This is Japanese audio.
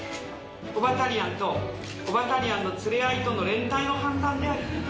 オバタリアンとオバタリアンの連れ合いとの連帯の判断であり。